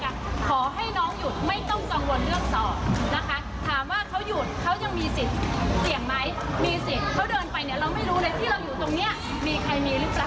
ขอให้น้องหยุดไม่ต้องกังวลเรื่องสอบนะคะ